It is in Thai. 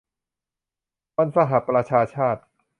วันสหประชาชาติ